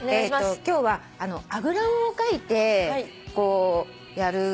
今日はあぐらをかいてやる。